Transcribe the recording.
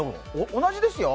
同じですよ。